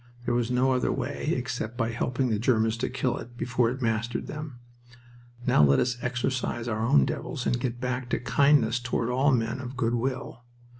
There was no other way, except by helping the Germans to kill it before it mastered them. Now let us exorcise our own devils and get back to kindness toward all men of good will.